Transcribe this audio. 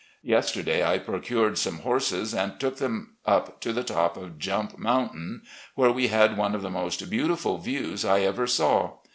Yesterday I procured some horses and took them up to the top of Jump Mountain, where we had one of the most beautiful views I ever saw.